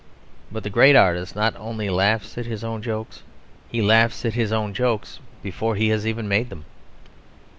But the great artist not only laughs at his own jokes; he laughs at his own jokes before he has made them.